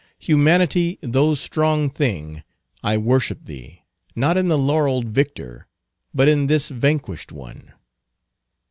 Humanity, thou strong thing, I worship thee, not in the laureled victor, but in this vanquished one.